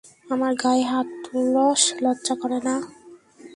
আমার গায়ে হাত তুলস, লজ্জা করে না?